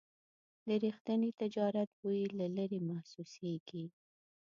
د رښتیني تجارت بوی له لرې محسوسېږي.